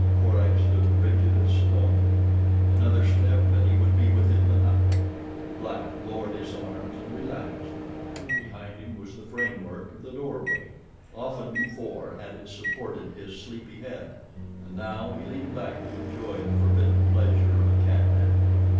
Korak stood rigid as stone. Another step and he would be within the hut. The black lowered his arms and relaxed. Behind him was the frame work of the doorway. Often before had it supported his sleepy head, and now he leaned back to enjoy the forbidden pleasure of a cat nap.